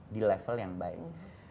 di level yang baik